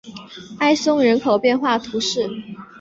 埃松人口变化图示